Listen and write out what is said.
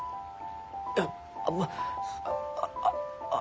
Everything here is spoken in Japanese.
いやまあああ